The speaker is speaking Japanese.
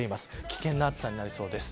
危険な暑さになりそうです。